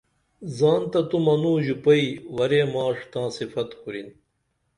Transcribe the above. زان تہ تو منوں ژُپئی ورے ماݜ تاں صفت کُرِن